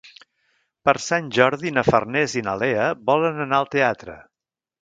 Per Sant Jordi na Farners i na Lea volen anar al teatre.